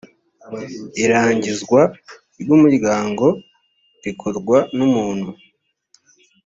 irangizwa ry umuryango rikorwa n umuntu